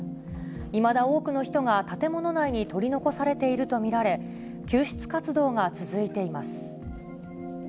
いまだ多くの人が建物内に取り残されていると見られ、救出活動が続いています。